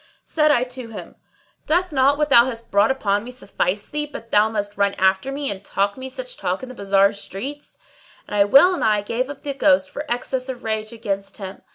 Said I to him, "Doth not what thou hast brought upon me suffice thee, but thou must run after me and talk me such talk in the bazar streets?" And I well nigh gave up the ghost for excess of rage against him.